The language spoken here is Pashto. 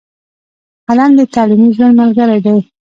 قلم د تعلیمي ژوند ملګری دی.